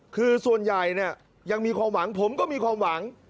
คือส่วนใหญ่เนี่ยยังมีความหวังผมก็มีความหวัง